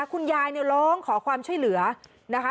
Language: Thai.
คุณยายเนี่ยร้องขอความช่วยเหลือนะคะ